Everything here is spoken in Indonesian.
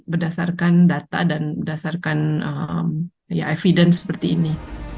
berdasarkan data dan berdasarkan evidence seperti ini